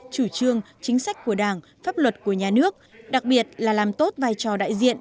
chủ trương chính sách của đảng pháp luật của nhà nước đặc biệt là làm tốt vai trò đại diện